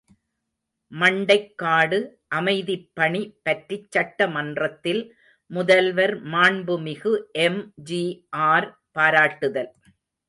● மண்டைக்காடு அமைதிப்பணி பற்றிச் சட்ட மன்றத்தில் முதல்வர் மாண்புமிகு எம்.ஜி.ஆர். பாராட்டுதல்.